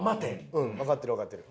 うんわかってるわかってる。